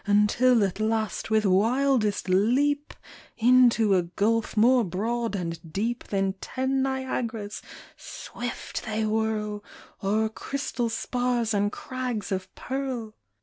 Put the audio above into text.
Until at last, with wildest leap. Into a gulf more broad and deep Than ten Niagaras swift they whirl O'er crystal spars and crags of pearl